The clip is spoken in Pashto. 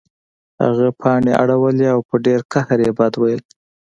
هغه پاڼې اړولې او په ډیر قهر یې بد ویل